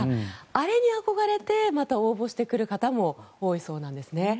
あれに憧れてまた応募してくる方も多いそうなんですね。